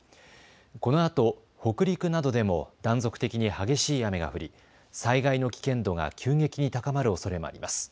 このあと北陸などでも断続的に激しい雨が降り、災害の危険度が急激に高まるおそれもあります。